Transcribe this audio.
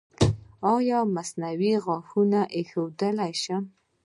ایا زه مصنوعي غاښ ایښودلی شم؟